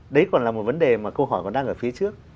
đấy còn là một vấn đề mà câu hỏi còn đang ở phía trước